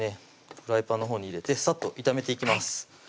フライパンのほうに入れてさっと炒めていきます